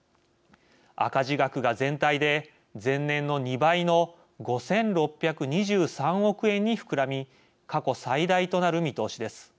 赤字額が全体で前年の２倍の５６２３億円に膨らみ過去最大となる見通しです。